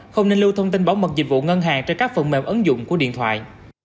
không nên lưu thông tin bảo mật dịch vụ ngân hàng trên các phần mềm ứng dụng của điện thoại